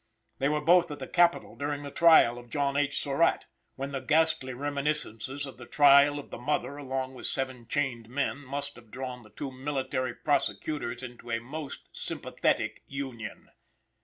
They were both at the Capital during the trial of John H. Surratt, when the ghastly reminiscences of the trial of the mother along with seven chained men must have drawn the two military prosecutors into a most sympathetic union.